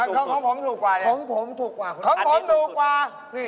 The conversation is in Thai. อเจมส์ของผมถูกกว่า